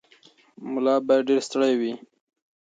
ملا باید ډېر ستړی وي.